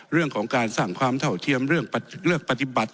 เรื่องของการสร้างความเท่าเทียมเรื่องเลือกปฏิบัติ